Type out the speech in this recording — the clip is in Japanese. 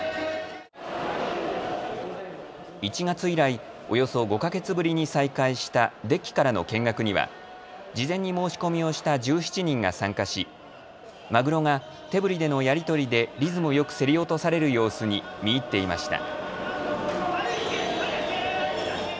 １月以来、およそ５か月ぶりに再開したデッキからの見学には事前に申し込みをした１７人が参加しマグロが手ぶりでのやり取りでリズムよく競り落とされる様子に見入っていました。